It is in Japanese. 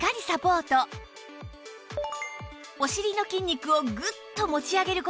お尻の筋肉をグッと持ち上げる事で